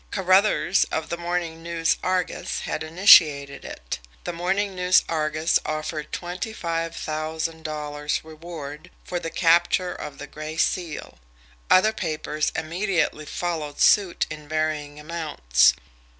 Carruthers, of the MORNING NEWS ARGUS, had initiated it. The MORNING NEWS ARGUS offered twenty five thousand dollars' reward for the capture of the Gray Seal! Other papers immediately followed suit in varying amounts.